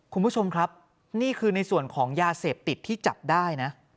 คุณผู้ชมครับนี่คือยาเสพที่จับได้